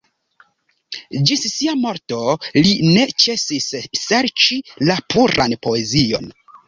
Ĝis sia morto li ne ĉesis serĉi la puran poezion.